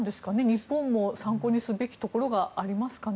日本も参考にすべきところがありますかね。